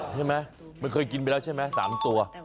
ใช่มั้ยมันเคยกินไปแล้วใช่มั้ย๓ตัว